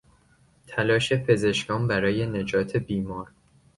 تلاش پزشکان برای نجات بیمار